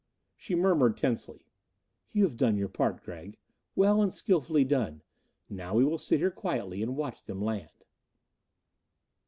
She murmured tensely, "You have done your part, Gregg. Well and skillfully done. Now we will sit here quietly and watch them land."